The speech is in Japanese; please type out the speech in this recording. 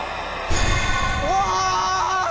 うわ！